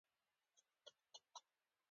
هغه په موسکا وويل ګوره چې بيا غلط شوې.